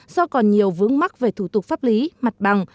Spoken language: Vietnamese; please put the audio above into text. do còn nhiều vướng mắc về thủ tục pháp lý mặt bằng